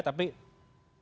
tapi publik tidak bisa